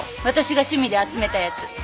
私が趣味で集めたやつ。